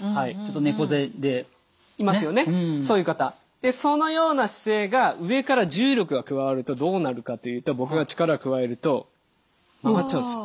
でそのような姿勢が上から重力が加わるとどうなるかというと僕が力を加えると曲がっちゃうんですよ。